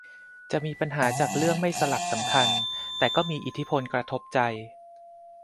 จะมีปัญหาจากเรื่องไม่สลักสำคัญแต่ก็มีอิทธิพลกระทบใจ